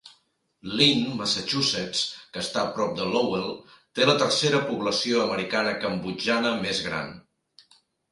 Lynn, Massachusetts, que està prop de Lowell, té la tercera població americana cambodjana més gran.